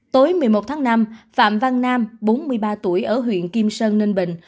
tối một mươi một tháng năm phạm văn nam bốn mươi ba tuổi ở huyện kim sơn ninh bình